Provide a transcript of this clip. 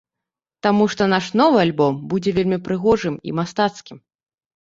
Таму што наш новы альбом будзе вельмі прыгожым і мастацкім.